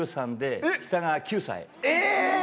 え！